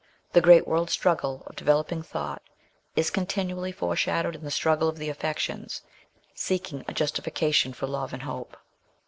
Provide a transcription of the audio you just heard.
The great world struggle of developing thought is continually foreshadowed in the struggle of the affections, seeking a justification for love and hope.